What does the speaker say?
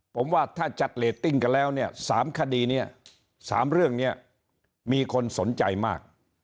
ผมว่าถ้าจัดเรตติ้งกันแล้วเนี่ย๓คดีนี้๓เรื่องนี้มีคนสนใจมาก